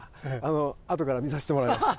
あとから見させてもらいました。